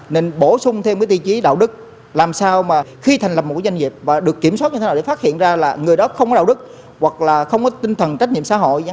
nên bổ sung thêm cái tiêu chí đạo đức làm sao mà khi thành lập một doanh nghiệp và được kiểm soát như thế nào để phát hiện ra là người đó không có đạo đức hoặc là không có tinh thần trách nhiệm xã hội